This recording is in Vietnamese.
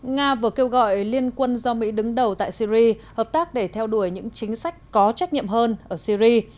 nga vừa kêu gọi liên quân do mỹ đứng đầu tại syri hợp tác để theo đuổi những chính sách có trách nhiệm hơn ở syri